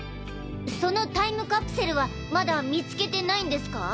そのタイムカプセルはまだ見つけてないんですか？